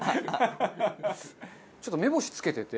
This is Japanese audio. ちょっと目星つけてて。